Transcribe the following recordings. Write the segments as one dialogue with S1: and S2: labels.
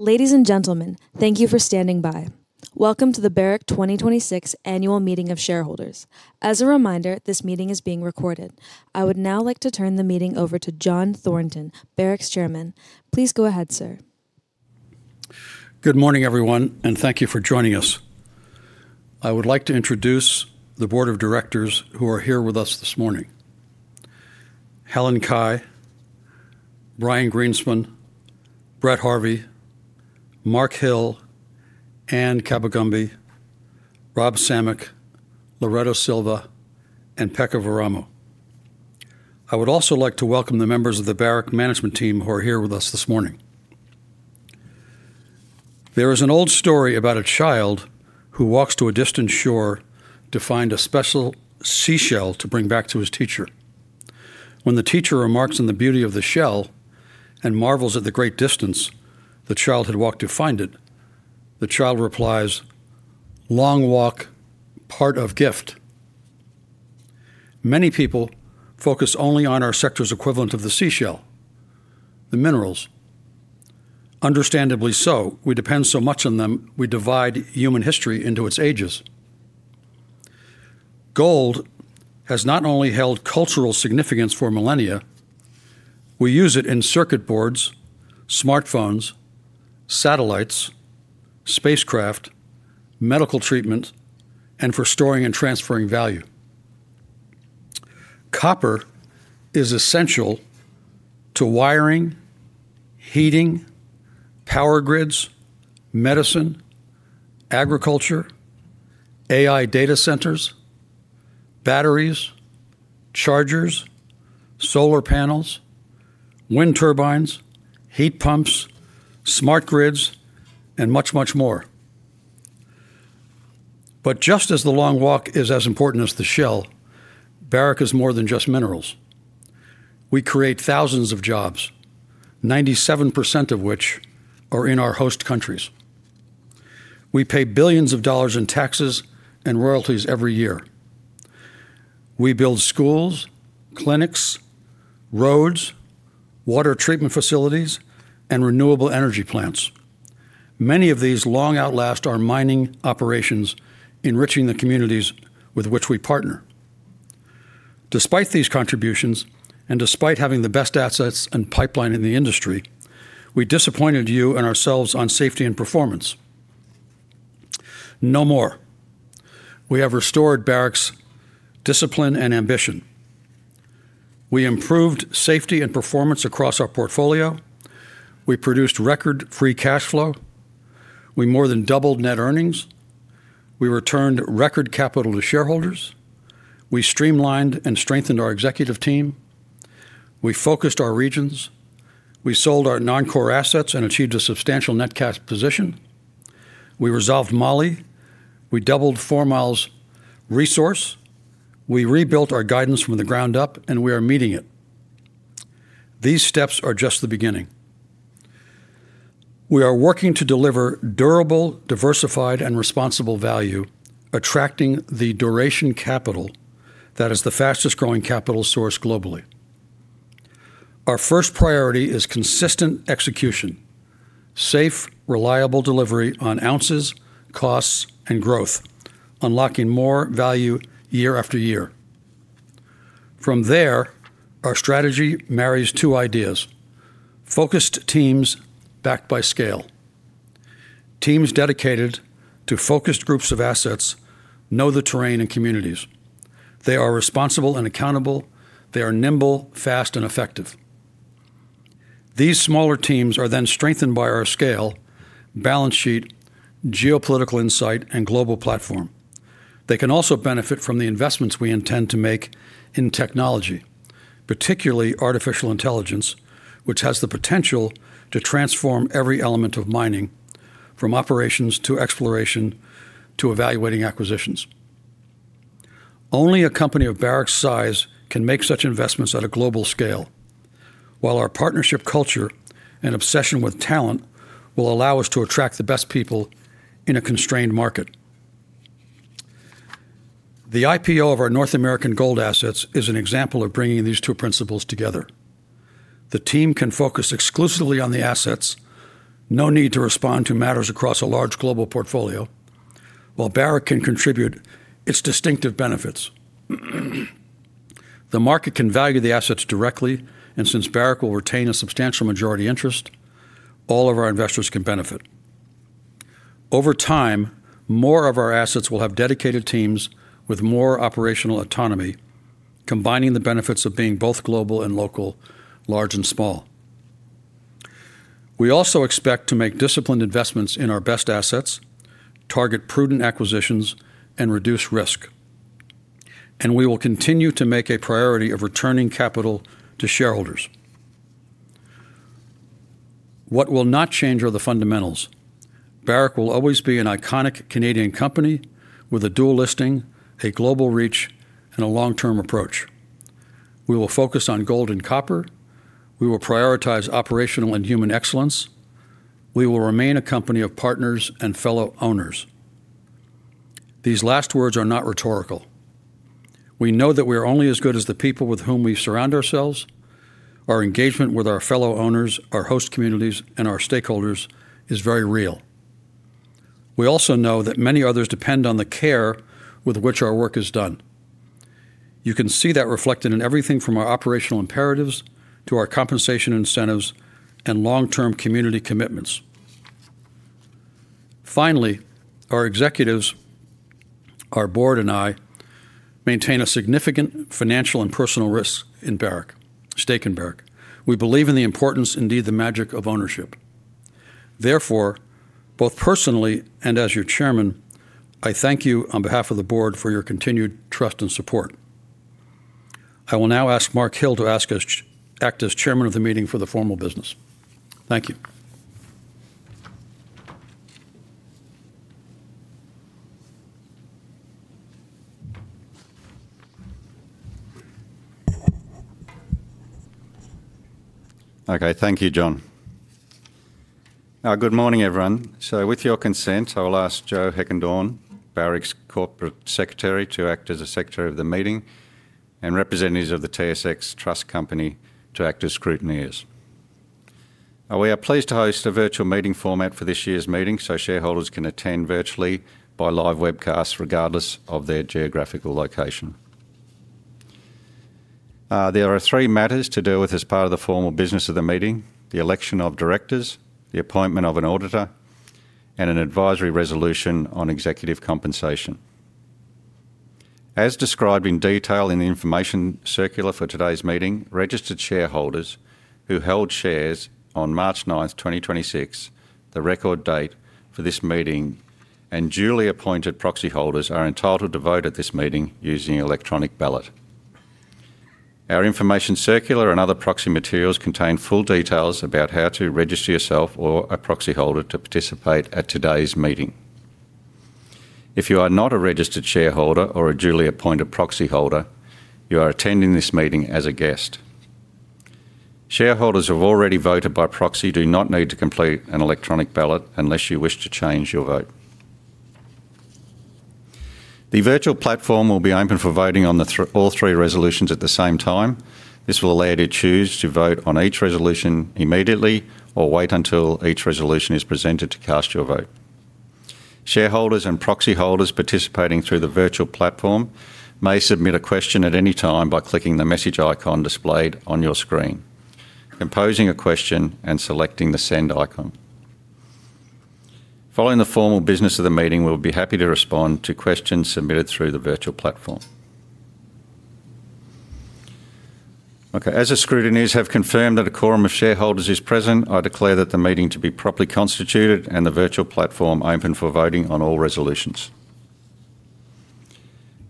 S1: Ladies and gentlemen, thank you for standing by. Welcome to the Barrick 2026 Annual Meeting of Shareholders. As a reminder, this meeting is being recorded. I would now like to turn the meeting over to John Thornton, Barrick's Chairman. Please go ahead, sir.
S2: Good morning, everyone, and thank you for joining us. I would like to introduce the board of directors who are here with us this morning. Helen Cai, Brian Greenspun, Brett Harvey, Mark Hill, Anne Kabagambe, Robert Samek, Loreto Silva, and Pekka Vauramo. I would also like to welcome the members of the Barrick management team who are here with us this morning. There is an old story about a child who walks to a distant shore to find a special seashell to bring back to his teacher. When the teacher remarks on the beauty of the shell and marvels at the great distance the child had walked to find it, the child replies, "Long walk part of gift." Many people focus only on our sector's equivalent of the seashell, the minerals. Understandably so. We depend so much on them, we divide human history into its ages. Gold has not only held cultural significance for millennia, we use it in circuit boards, smartphones, satellites, spacecraft, medical treatment, and for storing and transferring value. Copper is essential to wiring, heating, power grids, medicine, agriculture, AI data centers, batteries, chargers, solar panels, wind turbines, heat pumps, smart grids, and much, much more. Just as the long walk is as important as the shell, Barrick is more than just minerals. We create thousands of jobs, 97% of which are in our host countries. We pay billions in taxes and royalties every year. We build schools, clinics, roads, water treatment facilities, and renewable energy plants. Many of these long outlast our mining operations, enriching the communities with which we partner. Despite these contributions, and despite having the best assets and pipeline in the industry, we disappointed you and ourselves on safety and performance. No more. We have restored Barrick's discipline and ambition. We improved safety and performance across our portfolio. We produced record free cash flow. We more than doubled net earnings. We returned record capital to shareholders. We streamlined and strengthened our executive team. We focused our regions. We sold our non-core assets and achieved a substantial net cash position. We resolved Mali. We doubled Fourmile's resource. We rebuilt our guidance from the ground up, and we are meeting it. These steps are just the beginning. We are working to deliver durable, diversified, and responsible value, attracting the duration capital that is the fastest-growing capital source globally. Our first priority is consistent execution, safe, reliable delivery on ounces, costs, and growth, unlocking more value year after year. From there, our strategy marries two ideas, focused teams backed by scale. Teams dedicated to focused groups of assets know the terrain and communities. They are responsible and accountable. They are nimble, fast, and effective. These smaller teams are then strengthened by our scale, balance sheet, geopolitical insight, and global platform. They can also benefit from the investments we intend to make in technology, particularly artificial intelligence, which has the potential to transform every element of mining, from operations to exploration to evaluating acquisitions. Only a company of Barrick's size can make such investments at a global scale. While our partnership culture and obsession with talent will allow us to attract the best people in a constrained market. The IPO of our North American gold assets is an example of bringing these two principles together. The team can focus exclusively on the assets, no need to respond to matters across a large global portfolio, while Barrick can contribute its distinctive benefits. The market can value the assets directly, and since Barrick will retain a substantial majority interest, all of our investors can benefit. Over time, more of our assets will have dedicated teams with more operational autonomy, combining the benefits of being both global and local, large and small. We also expect to make disciplined investments in our best assets, target prudent acquisitions, and reduce risk. We will continue to make a priority of returning capital to shareholders. What will not change are the fundamentals. Barrick will always be an iconic Canadian company with a dual listing, a global reach, and a long-term approach. We will focus on gold and copper. We will prioritize operational and human excellence. We will remain a company of partners and fellow owners. These last words are not rhetorical. We know that we are only as good as the people with whom we surround ourselves. Our engagement with our fellow owners, our host communities, and our stakeholders is very real. We also know that many others depend on the care with which our work is done. You can see that reflected in everything from our operational imperatives to our compensation incentives and long-term community commitments. Finally, our executives, our board, and I maintain a significant financial and personal stake in Barrick. We believe in the importance, indeed the magic, of ownership. Therefore, both personally and as your Chairman, I thank you on behalf of the board for your continued trust and support. I will now ask Mark Hill to act as Chairman of the meeting for the formal business. Thank you.
S3: Okay, thank you, John. Good morning, everyone. With your consent, I will ask Joe Heckendorn, Barrick's Corporate Secretary, to act as the secretary of the meeting and representatives of the TSX Trust Company to act as scrutineers. We are pleased to host a virtual meeting format for this year's meeting so shareholders can attend virtually by live webcast regardless of their geographical location. There are three matters to deal with as part of the formal business of the meeting: the election of directors, the appointment of an auditor, and an advisory resolution on executive compensation. As described in detail in the information circular for today's meeting, registered shareholders who held shares on March 9th, 2026, the record date for this meeting, and duly appointed proxyholders are entitled to vote at this meeting using electronic ballot. Our information circular and other proxy materials contain full details about how to register yourself or a proxyholder to participate at today's meeting. If you are not a registered shareholder or a duly appointed proxyholder, you are attending this meeting as a guest. Shareholders who have already voted by proxy do not need to complete an electronic ballot unless you wish to change your vote. The virtual platform will be open for voting on all three resolutions at the same time. This will allow you to choose to vote on each resolution immediately or wait until each resolution is presented to cast your vote. Shareholders and proxyholders participating through the virtual platform may submit a question at any time by clicking the message icon displayed on your screen, composing a question, and selecting the send icon. Following the formal business of the meeting, we'll be happy to respond to questions submitted through the virtual platform. As the scrutineers have confirmed that a quorum of shareholders is present, I declare that the meeting to be properly constituted and the virtual platform open for voting on all resolutions.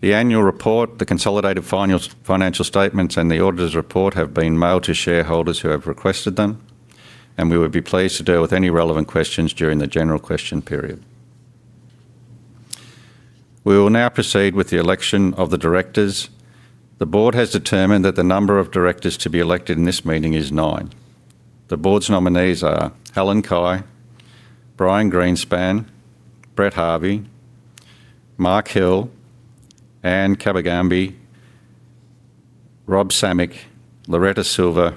S3: The annual report, the consolidated financial statements, and the auditor's report have been mailed to shareholders who have requested them. We would be pleased to deal with any relevant questions during the general question period. We will now proceed with the election of the directors. The board has determined that the number of directors to be elected in this meeting is nine. The board's nominees are Helen Cai, Brian Greenspun, Brett Harvey, Mark Hill, Anne Kabagambe, Robert Samek, Loreto Silva,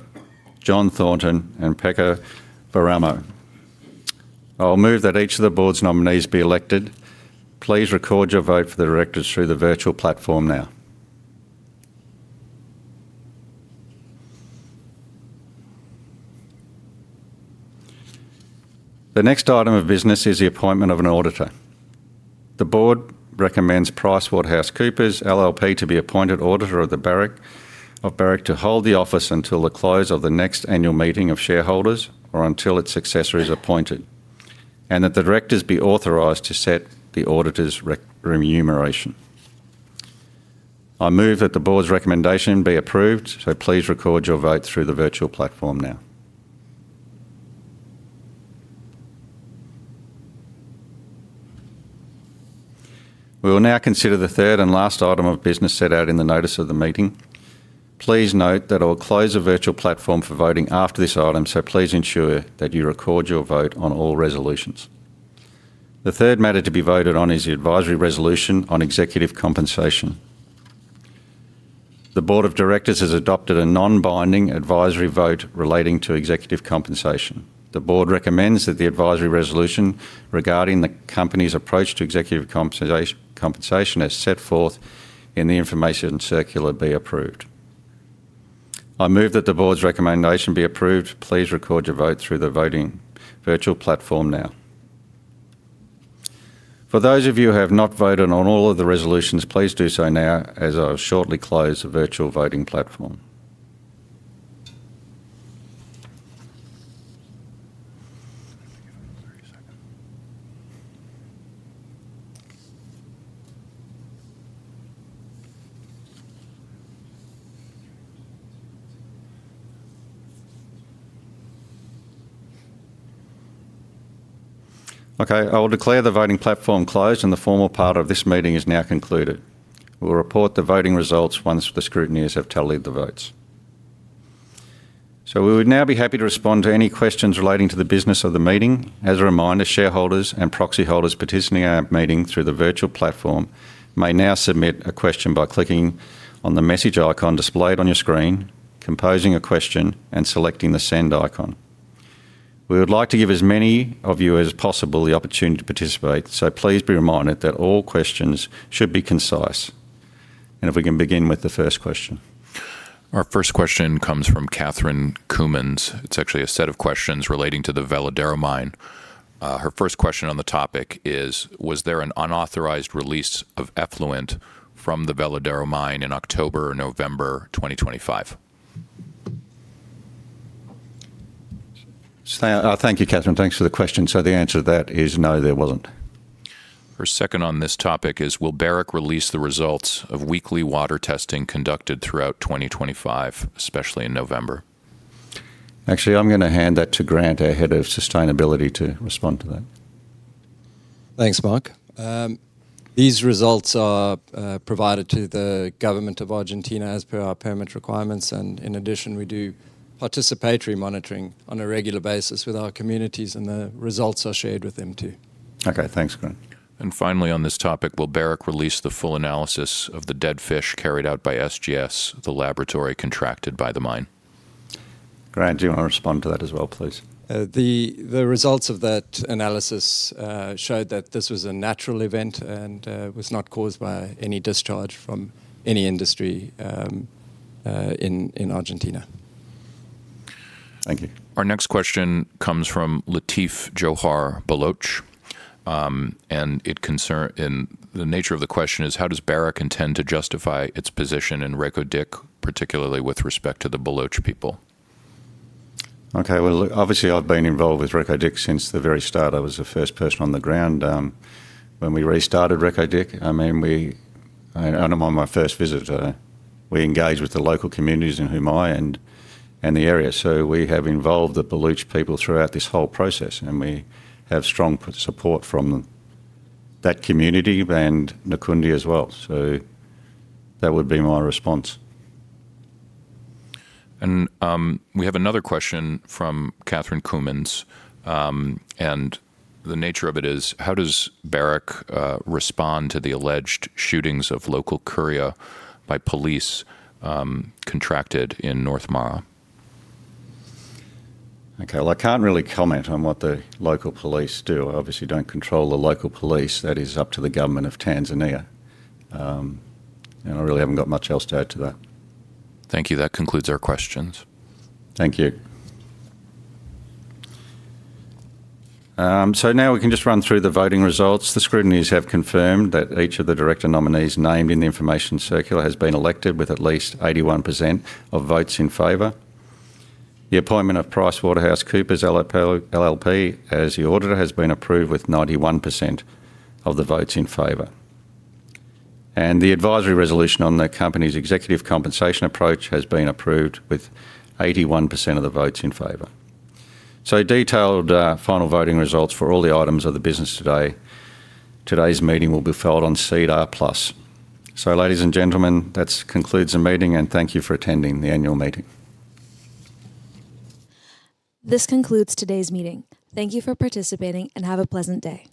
S3: John Thornton, and Pekka Vauramo. I will move that each of the board's nominees be elected. Please record your vote for the directors through the virtual platform now. The next item of business is the appointment of an auditor. The board recommends PricewaterhouseCoopers LLP to be appointed auditor of Barrick to hold the office until the close of the next annual meeting of shareholders or until its successor is appointed, and that the directors be authorized to set the auditor's remuneration. I move that the board's recommendation be approved. Please record your vote through the virtual platform now. We will now consider the third and last item of business set out in the notice of the meeting. Please note that I will close the virtual platform for voting after this item. Please ensure that you record your vote on all resolutions. The third matter to be voted on is the advisory resolution on executive compensation. The Board of Directors has adopted a non-binding advisory vote relating to executive compensation. The Board recommends that the advisory resolution regarding the company's approach to executive compensation as set forth in the information circular be approved. I move that the Board's recommendation be approved. Please record your vote through the voting virtual platform now. For those of you who have not voted on all of the resolutions, please do so now, as I'll shortly close the virtual voting platform. Okay, I will declare the voting platform closed, and the formal part of this meeting is now concluded. We'll report the voting results once the scrutineers have tallied the votes. We would now be happy to respond to any questions relating to the business of the meeting. As a reminder, shareholders and proxy holders participating in our meeting through the virtual platform may now submit a question by clicking on the message icon displayed on your screen, composing a question, and selecting the send icon. We would like to give as many of you as possible the opportunity to participate, so please be reminded that all questions should be concise. If we can begin with the first question.
S4: Our first question comes from Catherine Coumans. It is actually a set of questions relating to the Veladero Mine. Her first question on the topic is: Was there an unauthorized release of effluent from the Veladero mine in October or November 2025?
S3: Thank you, Catherine. Thanks for the question. The answer to that is no, there wasn't.
S4: Her second on this topic is: Will Barrick release the results of weekly water testing conducted throughout 2025, especially in November?
S3: Actually, I'm gonna hand that to Grant, our head of sustainability, to respond to that.
S5: Thanks, Mark. These results are provided to the government of Argentina as per our permit requirements. In addition, we do participatory monitoring on a regular basis with our communities, and the results are shared with them, too.
S3: Okay, thanks, Grant.
S4: Finally on this topic, will Barrick release the full analysis of the dead fish carried out by SGS, the laboratory contracted by the mine?
S3: Grant, do you wanna respond to that as well, please?
S5: The results of that analysis, showed that this was a natural event and, was not caused by any discharge from any industry, in Argentina.
S3: Thank you.
S4: Our next question comes from Lateef Johar Baloch. The nature of the question is: How does Barrick intend to justify its position in Reko Diq, particularly with respect to the Baloch people?
S3: Okay. Well, obviously, I've been involved with Reko Diq since the very start. I was the first person on the ground when we restarted Reko Diq. I mean, on my first visit, we engaged with the local communities in [Humai] and the area. We have involved the Baloch people throughout this whole process, and we have strong support from them, that community and the Nokkundi as well. That would be my response.
S4: We have another question from Catherine Coumans. The nature of it is: How does Barrick respond to the alleged shootings of local Kuria by police contracted in North Mara?
S3: Okay. Well, I can't really comment on what the local police do. Obviously, don't control the local police. That is up to the government of Tanzania. I really haven't got much else to add to that.
S4: Thank you. That concludes our questions.
S3: Thank you. Now we can just run through the voting results. The scrutineers have confirmed that each of the director nominees named in the information circular has been elected with at least 81% of votes in favor. The appointment of PricewaterhouseCoopers LLP as the auditor has been approved with 91% of the votes in favor. The advisory resolution on the company's executive compensation approach has been approved with 81% of the votes in favor. Detailed final voting results for all the items of the business today's meeting will be filed on SEDAR+. Ladies and gentlemen, that concludes the meeting, and thank you for attending the annual meeting.
S1: This concludes today's meeting. Thank you for participating, and have a pleasant day.